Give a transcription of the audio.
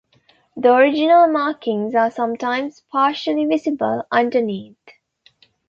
The original markings are sometimes partially visible underneath.